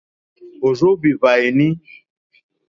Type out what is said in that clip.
Ò rzóhwì hwàèní.